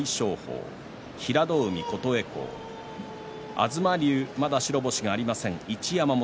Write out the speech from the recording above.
東龍はまだ白星がありません。